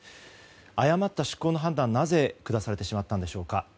誤った出航の判断はなぜ下されてしまったのでしょうか。